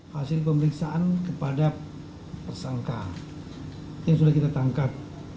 hasil pemeriksaan kepada tersangka yang sudah kita tangkap